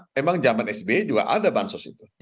memang zaman sbi juga ada bansos itu